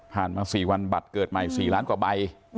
มา๔วันบัตรเกิดใหม่๔ล้านกว่าใบ